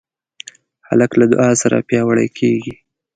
هلک له دعا سره پیاوړی کېږي.